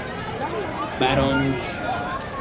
بَرانوش